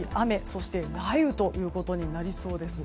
そして、雷雨ということになりそうです。